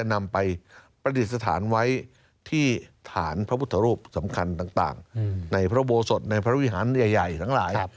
ในพระบดสดในพระวิหารใหญ่หลาย